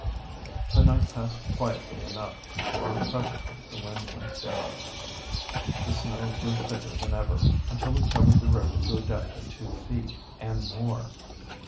The night passed quietly enough, for presently the wind went down. The snow grew thicker than ever, until it covered the river to a depth of two feet and more.